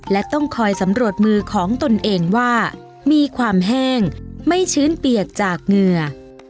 และต้องคอยสำรวจมือของตนเองว่ามีความแห้งไม่ชื้นเปียกจากเหงื่อ